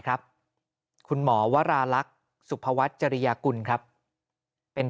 ครับคุณหมอวราลักษณ์สุภวัฒน์จริยากุลครับเป็น